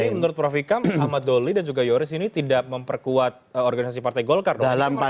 tapi menurut prof ikam ahmad doli dan juga yoris ini tidak memperkuat organisasi partai golkar dong